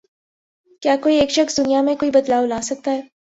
کیا کوئی ایک شخص دنیا میں کوئی بدلاؤ لا سکتا ہے؟